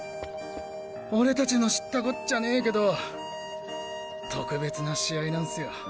俺達の知ったこっちゃねぇけど特別な試合なんスよ